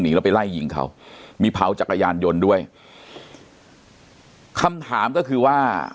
เราไปไล่ยิงเขามีเผาจักรยานยนต์ด้วยคำถามก็คือว่า